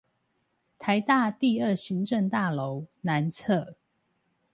臺大第二行政大樓南側